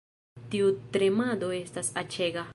Tiu tremado estas aĉega